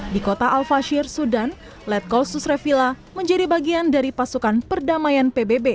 di kota al fasyir sudan letkol susre vila menjadi bagian dari pasukan perdamaian pbb